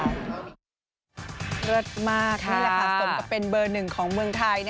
เลิศมากนี่แหละค่ะสมกับเป็นเบอร์หนึ่งของเมืองไทย